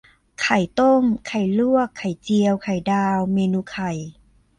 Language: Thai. ไข่ต้ม ไข่ลวก ไข่เจียว ไข่ดาว เมนูไข่